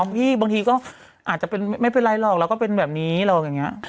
พี่บางทีก็อาจจะเป็นไม่เป็นไรหรอกเราก็เป็นแบบนี้หรอกอย่างนี้